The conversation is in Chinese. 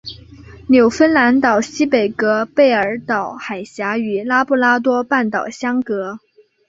纽芬兰岛西北隔贝尔岛海峡与拉布拉多半岛相隔。